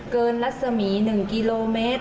เกินลักษมี๑กิโลเมตร